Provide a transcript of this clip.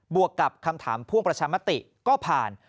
วกกับคำถามพ่วงประชามติก็ผ่าน